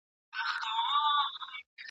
بس پر نورو یې کوله تهمتونه !.